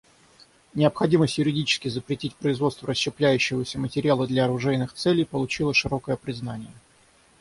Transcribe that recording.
Необходимость юридически запретить производство расщепляющегося материала для оружейных целей получила широкое признание.